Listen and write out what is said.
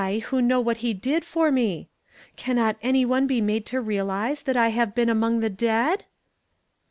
who know what he did for me ! Cannot any one be made to realize that I have been among the dead